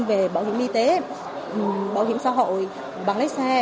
về bảo hiểm y tế bảo hiểm xã hội bằng lái xe